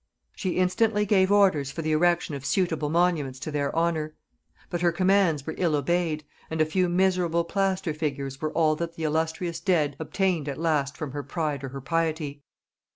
She instantly gave orders for the erection of suitable monuments to their honor: but her commands were ill obeyed, and a few miserable plaster figures were all that the illustrious dead obtained at last from her pride or her piety.